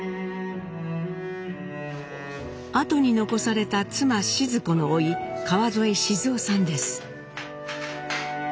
あとに残された妻シヅ子のおい川添静男さんです。